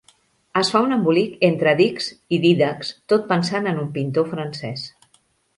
Es fa un embolic entre dics i Dídacs tot pensant en un pintor francès.